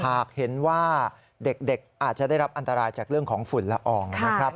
หากเห็นว่าเด็กอาจจะได้รับอันตรายจากเรื่องของฝุ่นละอองนะครับ